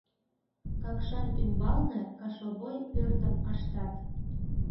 Какшан ӱмбалне кашовой пӧртым ыштат.